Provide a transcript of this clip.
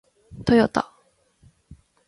トヨタ